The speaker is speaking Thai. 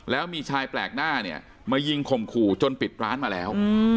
แล้วมีชายแปลกหน้าเนี่ยมายิงข่มขู่จนปิดร้านมาแล้ว